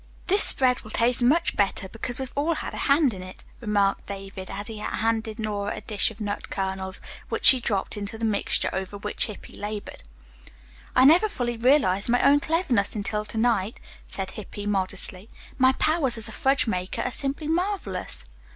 "This spread will taste much better because we've all had a hand in it," remarked David, as he handed Nora a dish of nut kernels, which she dropped into the mixture over which Hippy labored. "I never fully realized my own cleverness until to night," said Hippy modestly. "My powers as a fudge maker are simply marvelous."